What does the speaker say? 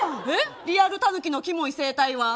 リアルタヌキのキモい生態は。